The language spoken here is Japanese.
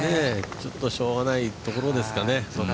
ちょっとしょうがないところですかね。